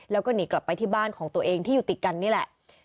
แล้วก็หนีกลับไปที่บ้านของตัวเองที่อยู่ติดกันนี่แหละ